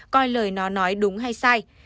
coi lời nó nói đúng hay sai